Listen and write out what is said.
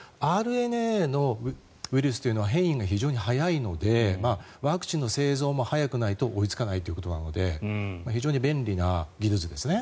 ＲＮＡのウイルスというのは変異が非常に早いのでワクチンの製造も早くないと追いつかないということなので非常に便利な技術ですね。